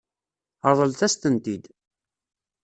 Ṛeḍlet-as-tent-id.